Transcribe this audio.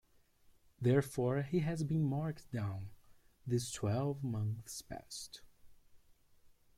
Therefore he has been marked down these twelve months past.